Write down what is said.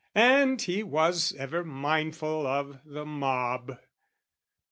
"And he was ever mindful of the mob.